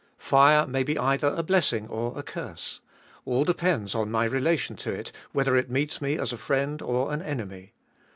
Fire may be either a blessing or a curse. All depends upon my relation to it whether it meets me as a friend or an enemy.